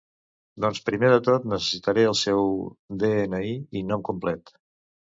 Doncs primer de tot, necessitaré el seu de-ena-i i nom complet.